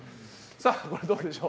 これ、どうでしょう。